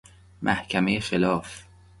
محکمۀ خلاف